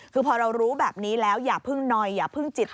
คือพอเรารู้แบบนี้แล้วอย่าพึ่งหน่อยอย่าพึ่งจิต